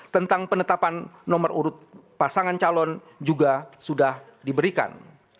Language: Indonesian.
tentang penetapan nomor urut pasangan calon juga sudah diberikan